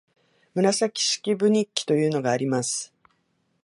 「紫式部日記」というのがあります